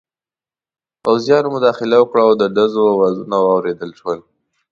پوځیانو مداخله وکړه او د ډزو اوازونه واورېدل شول.